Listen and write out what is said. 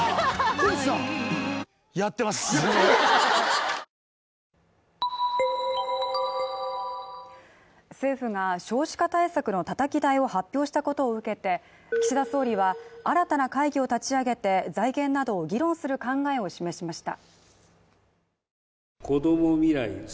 小渕さん政府が少子化対策のたたき台を発表したことを受けて岸田総理は新たな会議を立ち上げて、財源などを議論する考えを示しました。